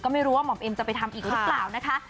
ไม่รู้ว่าหม่อมเอ็มจะไปทำอีกหรือเปล่านะคะ